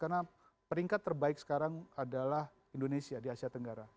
karena peringkat terbaik sekarang adalah indonesia di asia tenggara